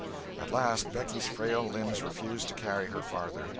At last Becky's frail limbs refused to carry her farther.